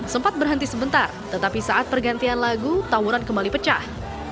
sempat berhenti sebentar tetapi saat pergantian lagu tawuran kembali pecah